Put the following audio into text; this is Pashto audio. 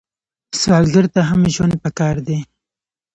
سوالګر ته هم ژوند پکار دی